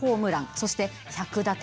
そして１００打点。